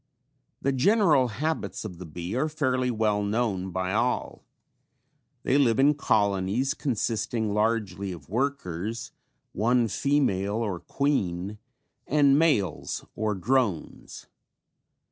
(After Phillips, U. S. Dept. of Agri.)] The general habits of the bee are fairly well known by all. They live in colonies consisting largely of workers, one female or queen and males or drones.